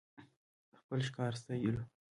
خپل ښکار ستايلو .